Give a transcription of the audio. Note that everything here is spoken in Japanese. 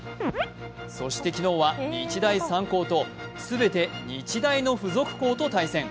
そして昨日は日大三高と、全て日大の付属校と対戦。